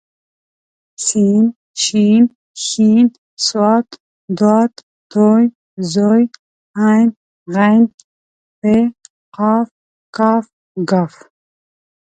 س ش ښ ص ض ط ظ ع غ ف ق ک ګ